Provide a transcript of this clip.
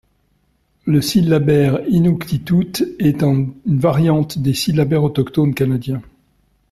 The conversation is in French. Le syllabaire inuktitut est une variante des syllabaire autochtones canadiens.